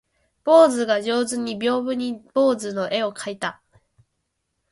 坊主が上手に屏風に坊主の絵を描いた